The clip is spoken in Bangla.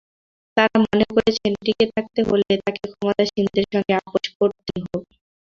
তাঁরা মনে করছেন, টিকে থাকতে হলে তাঁকে ক্ষমতাসীনদের সঙ্গে আপস করতেই হবে।